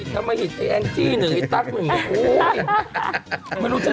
ทำไมเห็นไอ้แองจี้หนึ่งไอ้ตั๊กหนึ่งโอ้ย